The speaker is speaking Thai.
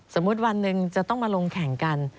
วันหนึ่งจะต้องมาลงแข่งกัน